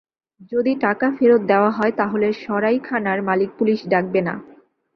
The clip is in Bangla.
যদি টাকা ফেরত দেওয়া হয়, তাহলে সরাইখানার মালিক পুলিশ ডাকবে না।